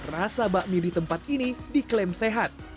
rasa bakmi di tempat ini diklaim sehat